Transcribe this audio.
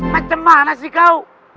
macem mana sih kau